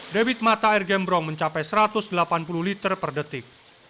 debit mata air gembrong mencapai satu ratus delapan puluh liter per detik